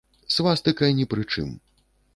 Свастыка ні пры чым.